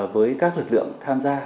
với các lực lượng tham gia